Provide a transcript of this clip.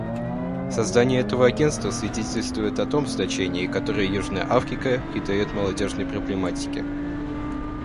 Создание этого Агентства свидетельствует о том значении, которое Южная Африка придает молодежной проблематике.